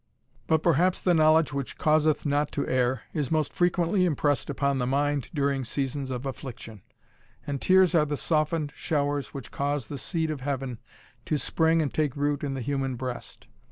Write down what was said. But perhaps the knowledge which causeth not to err, is most frequently impressed upon the mind during seasons of affliction; and tears are the softened showers which cause the seed of Heaven to spring and take root in the human breast.